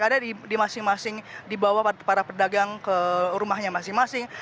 ada di masing masing dibawa para pedagang ke rumahnya masing masing